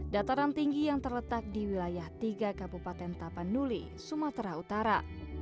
dataran tinggi yang terletak di wilayah tiga kabupaten tapanuli sumatera utara